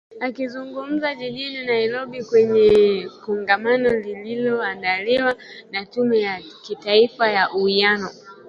Akizungumza jijini Nairobi kwenye kongamano lililoandaliwa na Tume ya Kitaifa ya Uwiano